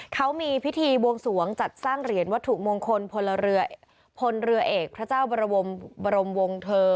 เขามีพิธีบวงสวงจัดสร้างเหรียญวัตถุมงคลพลเรือพลเรือเอกพระเจ้าบรมวงเธอ